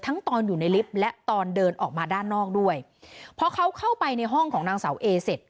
ตอนอยู่ในลิฟต์และตอนเดินออกมาด้านนอกด้วยพอเขาเข้าไปในห้องของนางเสาเอเสร็จ